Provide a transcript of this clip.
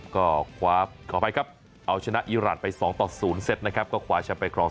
ก็คว้ากอดไปกับเอาชนะอิรันรัฐไป๒ต่อ๐เซตนะครับก็คว้าช้าปัดคลอง